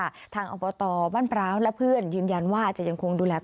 แต่หลังจากล้มป่วยกลับมาอยู่บ้านกับคุณยายนี่แหละ